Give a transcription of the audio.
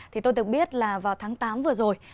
thì tôi được biết là vào tháng tám vừa rồi